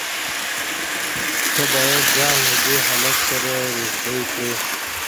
ته بايد ځان له دې حالت سره روږدى کړې.